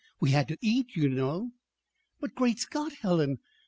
We had to eat, you know." "But, great Scott, Helen!